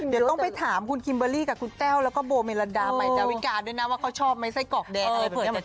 เดี๋ยวต้องไปถามคุณคิมเบอร์รี่กับคุณแกล้วและก็โบเมรดาไปด้วยการว่าเขาชอบไหมไส้กรอกแดง